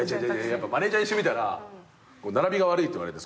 マネジャーにしてみたら並びが悪いって言われて。